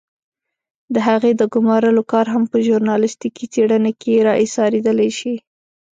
د هغې د ګمارلو کار هم په ژورنالستيکي څېړنه کې را اېسارېدلای شي.